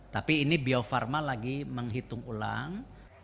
tapi ini bio farma lagi menghitung ulang